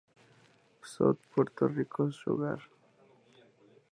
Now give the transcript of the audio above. South Puerto Rico Sugar Co.